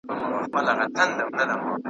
دا خيبر دی دا شمشاد دی .